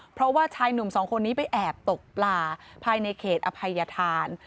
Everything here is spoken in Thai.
เพราะว่าชายหนุ่มสองคนนี้ไปแอบตกปลาภายในเขตอภัยธาน